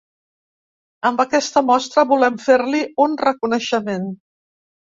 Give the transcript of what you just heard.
Amb aquesta mostra volem fer-li un reconeixement.